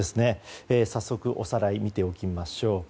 早速おさらい見ておきましょう。